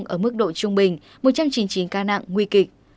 ở mức độ trung bình một trăm chín mươi chín ca nặng nguy kịch